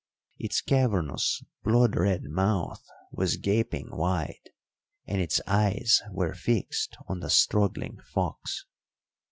Its cavernous, blood red mouth was gaping wide, and its eyes were fixed on the struggling fox.